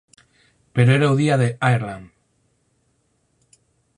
Pero era o día de Ireland.